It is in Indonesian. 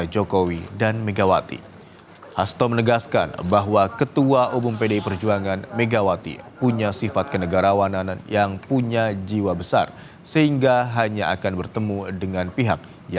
jokowi mega berdua tokoh yang bersahabat